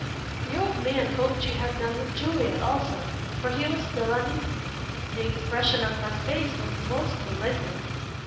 The old man hoped she had done with Juliet also, for he was still uneasy. The expression of her face was most malignant.